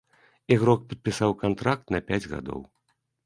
Ігрок падпісаў кантракт на пяць гадоў.